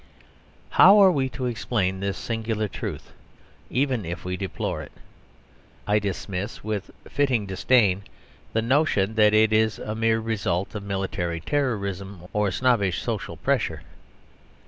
How are we to explain this singular truth, even if we deplore it? I dismiss with fitting disdain the notion that it is a mere result of military terrorism or snobbish social pressure.